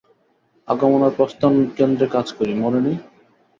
আগমন আর প্রস্থান কেন্দ্রে কাজ করি, মনে নেই?